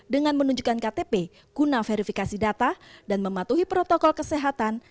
dengan menunjukkan ktp guna verifikasi data dan mematuhi protokol kesehatan